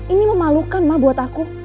ini memalukan mah buat aku